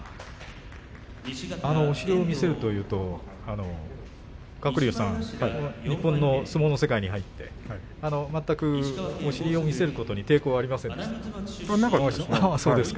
お尻を見せるというと鶴竜さん、日本の相撲の世界に入って全くお尻を見せることに抵抗はありませんでしたか。